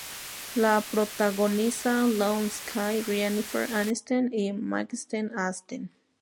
La protagoniza Ione Skye, Jennifer Aniston y Mackenzie Astin.